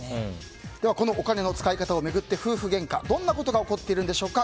お金の使い方を巡って夫婦げんかどんなことが起こっているのでしょうか。